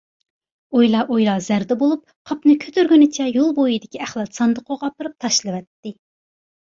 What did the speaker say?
ئويلا-ئويلا زەردە بولۇپ، قاپنى كۆتۈرگىنىچە يول بويىدىكى ئەخلەت ساندۇقىغا ئاپىرىپ تاشلىۋەتتى.